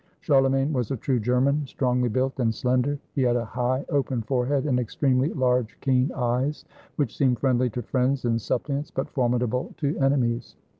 Charlemagne was a true German, strongly built and slender. He had a high, open forehead, and extremely large, keen eyes, which seemed friendly to friends and suppliants, but formidable to enemies.